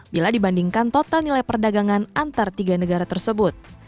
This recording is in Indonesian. bila dibandingkan total nilai perdagangan antar tiga negara tersebut